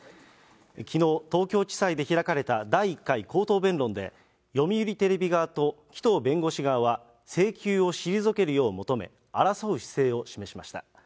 きのう、東京地裁で開かれた第１回口頭弁論で、読売テレビ側と紀藤弁護士側は、請求を退けるよう求め、争う姿勢を示しました。